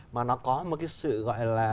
mà nó có một cái sự gọi là